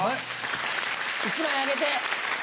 １枚あげて。